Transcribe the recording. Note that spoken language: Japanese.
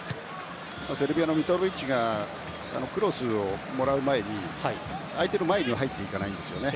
セルビアのミトロヴィッチがクロスをもらう前に相手の前には入っていかないんですよね。